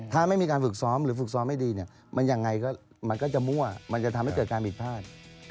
ถ้าไม่มีการฝึกซ้อมหรือฝึกซ้อมให้ดีเนี่ยมันยังไงมันก็จะมั่วมันจะทำให้เกิดการผิดพลาด